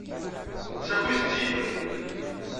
Ssakit-t-id.